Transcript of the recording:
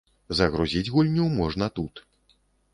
Загрузіць гульню можна тут.